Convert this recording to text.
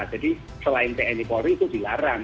jadi selain tni polri itu dilarang